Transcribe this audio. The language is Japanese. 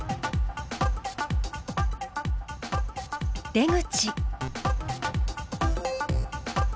出口。